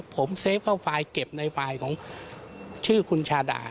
ผมเซฟเข้าไฟล์เก็บในไฟล์ของชื่อคุณชาดา